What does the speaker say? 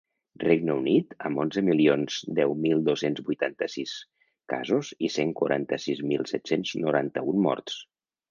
Regne Unit, amb onze milions deu mil dos-cents vuitanta-sis casos i cent quaranta-sis mil set-cents noranta-un morts.